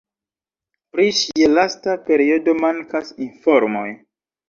Pri ŝia lasta periodo mankas informoj.